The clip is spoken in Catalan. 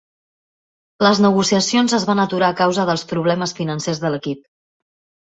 Les negociacions es van aturar a causa dels problemes financers de l'equip.